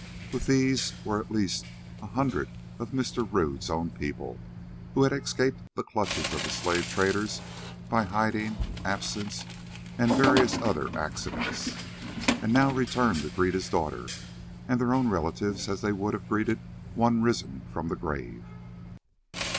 With these were at least a hundred of Mr. Rodd's own people, who had escaped the clutches of the slaver traders by hiding, absence, and various other accidents, and now returned to greet his daughter and their own relatives as they would have greeted one risen from the grave.